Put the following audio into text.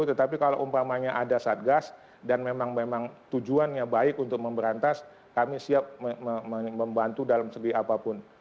tetapi kalau umpamanya ada satgas dan memang memang tujuannya baik untuk memberantas kami siap membantu dalam segi apapun